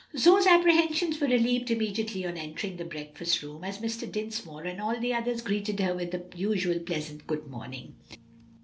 Zoe's apprehensions were relieved immediately on entering the breakfast room, as Mr. Dinsmore and all the others greeted her with the usual pleasant "Good morning."